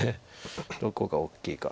どこが大きいか。